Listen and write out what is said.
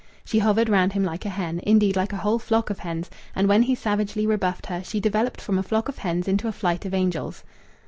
She hovered round him like a hen, indeed like a whole flock of hens, and when he savagely rebuffed her she developed from a flock of hens into a flight of angels.